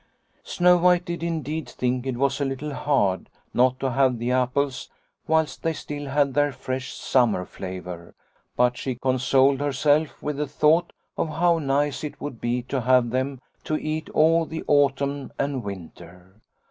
" Snow White did indeed think it was a little hard not to have the apples whilst they still had their fresh summer flavour, but she con soled herself with the thought of how nice it would be to have them to eat all the autumn and winter.